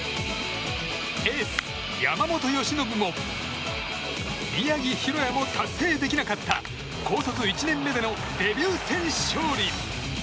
エース山本由伸も宮城大弥も達成できなかった高卒１年目でのデビュー戦勝利。